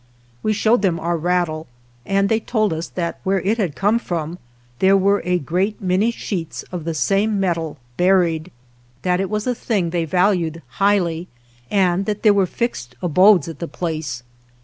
We showed them our rattle, and they told us that 141 THE JOURNEY OF where it had come from there were a great many sheets of the same (metal) buried, 45 that it was a thing they valued highly, and that there were fixed abodes at the place.